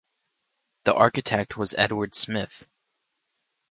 The architect was Edward Smith.